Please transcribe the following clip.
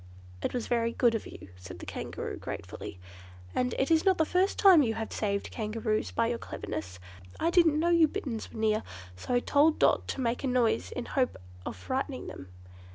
"It was very good of you," said the Kangaroo gratefully, "and it is not the first time you have saved Kangaroos by your cleverness. I didn't know you Bitterns were near, so I told Dot to make a noise in the hope of frightening them."